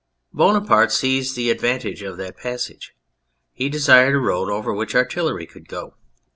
Buonaparte seized the advantage of that passage. He desired a road over which artillery could go.